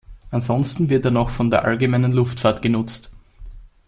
Ansonsten wird er noch von der allgemeinen Luftfahrt genutzt.